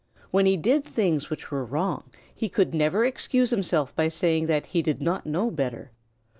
When he did things which were wrong, he could never excuse himself by saying that he did not know better.